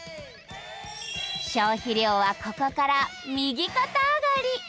消費量はここから右肩上がり。